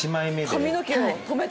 髪の毛を留めた。